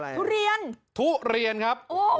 ทุเรียนทุเรียนครับ